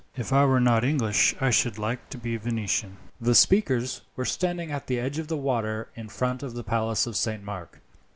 If I were not English I should like to be Venetian." The speakers were standing at the edge of the water in front of the Palace of St. Mark.